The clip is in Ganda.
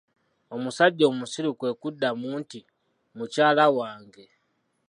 Omusajja omusiru kwe kuddamu nti, mukyala wange.